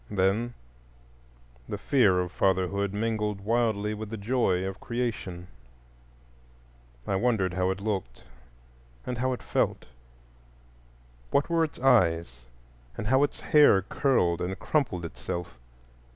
Then the fear of fatherhood mingled wildly with the joy of creation; I wondered how it looked and how it felt—what were its eyes, and how its hair curled and crumpled itself.